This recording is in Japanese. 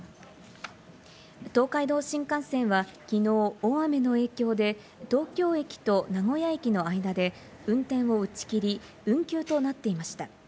東海道新幹線はきのう大雨の影響で、東京駅と名古屋駅の間で運転を打ち切り、運休となっていました。